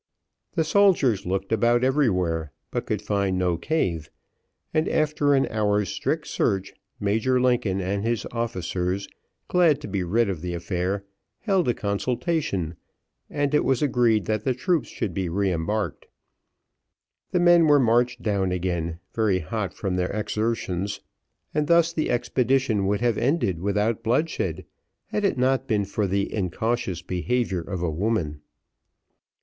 The soldiers looked about everywhere, but could find no cave, and after an hour's strict search, Major Lincoln and his officers, glad to be rid of the affair, held a consultation, and it was agreed that the troops should be re embarked. The men were marched down again very hot from their exertions, and thus the expedition would have ended without bloodshed, had it not been for the incautious behaviour of a woman.